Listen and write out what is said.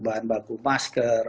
bahan baku masker